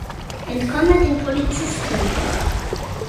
Entkomme den Polizisten!